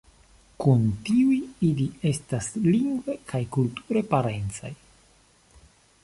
Kun tiuj ili estas lingve kaj kulture parencaj.